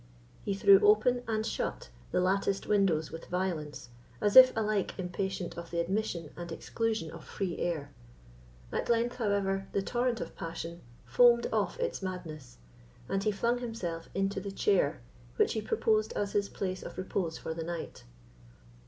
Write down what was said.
He threw open and shut the latticed windows with violence, as if alike impatient of the admission and exclusion of free air. At length, however, the torrent of passion foamed off its madness, and he flung himself into the chair which he proposed as his place of repose for the night.